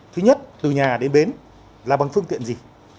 thứ nhất từ nhà đến bến là bằng phương tiện gì